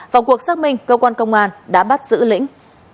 vào cuộc xác minh cơ quan công an đã bắt giữ lĩnh